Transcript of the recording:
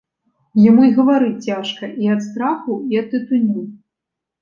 Яму і гаварыць цяжка, і ад страху, і ад тытуню.